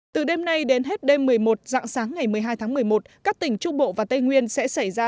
từ đêm nay đến hết đêm một mươi một dạng sáng ngày một mươi hai tháng một mươi một các tỉnh trung bộ và tây nguyên sẽ xảy ra